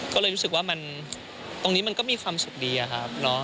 ก็เลยรู้สึกว่ามันตรงนี้มันก็มีความสุขดีอะครับ